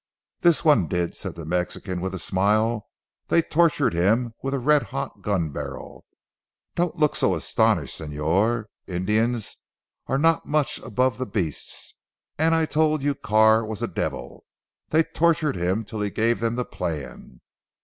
"This one did," said the Mexican with a smile, "they tortured him with a red hot gun barrel. Don't look so astonished Señor. Indians are not much above the beasts, and I told you Carr was a devil. They tortured him till he gave them the plan.